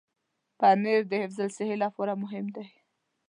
پنېر د حفظ الصحې لپاره مهم دی.